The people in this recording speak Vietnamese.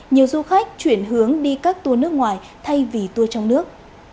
nhiều du khách chuyển hướng đi các tour nước ngoài thay vì tour trong nước